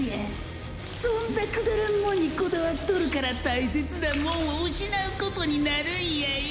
そんなくだらんもんにこだわっとるから大切なもんを失うことになるんやよ？